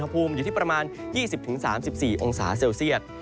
ภูมิอยู่ที่ประมาณ๒๐๓๔องศาเซลเซียต